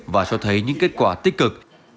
cho thấy những kết quả tích cực